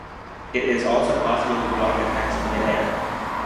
It is also possible to block attacks in mid-air.